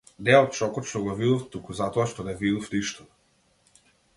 Не од шокот што го видов, туку затоа што не видов ништо.